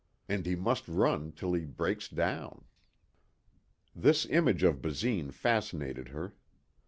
And he must run till he breaks down." This image of Basine fascinated her.